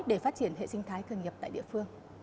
để phát triển hệ sinh thái khởi nghiệp tại địa phương